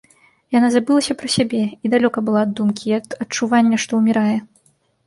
Яна забылася пра сябе і далёка была ад думкі і ад адчування, што ўмірае.